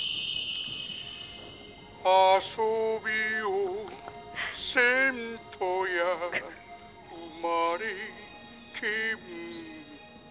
「あそびをせんとやうまれけむ」